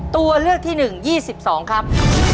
ตัวเลือกที่๑๒๒ครับ